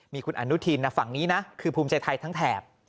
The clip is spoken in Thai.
มีคุณอนุทินฝั่งนี้นะคือภูมิใจไทยทั้งแถบ